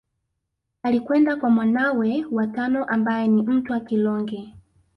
Alikwenda kwa mwanawe wa tano ambaye ni Mtwa Kilonge